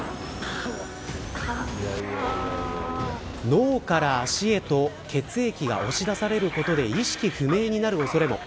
脳から足へと血液が押し出されることで意識不明になる恐れも。